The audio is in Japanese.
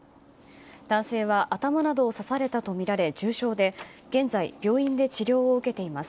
男性は頭などを刺されたとみられ重傷で、現在病院で治療を受けています。